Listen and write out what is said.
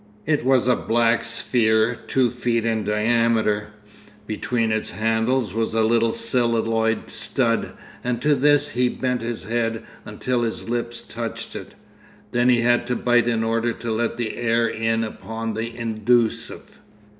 It was a black sphere two feet in diameter. Between its handles was a little celluloid stud, and to this he bent his head until his lips touched it. Then he had to bite in order to let the air in upon the inducive.